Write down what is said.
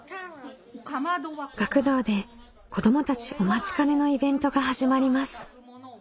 学童で子どもたちお待ちかねのイベントが始まります。